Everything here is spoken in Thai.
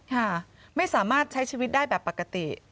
ค่ะไม่สามารถใช้ชีวิตได้แบบปกติ